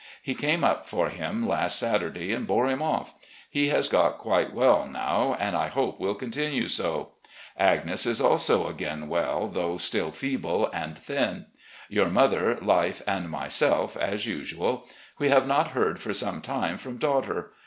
He came up for him last Saturday, and bore him off. He has got quite well now, and I hope will continue so. Agnes is A PRIVATE CITIZEN 177 also again well, though still feeble and thin. Your mother, Life, and myself as usual. We have not heard for some time from daughter.